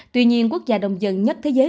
tuy nhiên quốc gia đông dân nhất thế giới